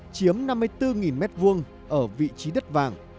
chiếm năm mươi bốn m hai ở vị trí đất vàng